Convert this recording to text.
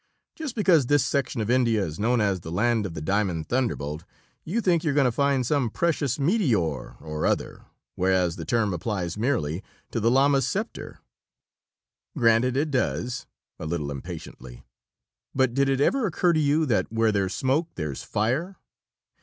Just because this section of India is known as The Land of the Diamond Thunderbolt you think you're going to find some precious meteor or other, whereas the term applies merely to the Lama's scepter." "Granted it does," a little impatiently "but did it ever occur to you that where there's smoke, there's fire?